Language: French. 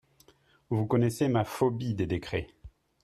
Vous connaissez ma phobie des décrets.